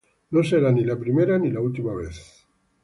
No será ni la primera ni la última vez"".